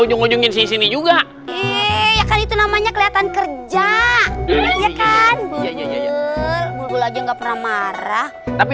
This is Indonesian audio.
ujung ujungin sini juga itu namanya kelihatan kerja ya kan bubul aja nggak pernah marah tapi